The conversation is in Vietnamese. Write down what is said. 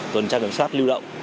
tuần tra kiểm soát lưu động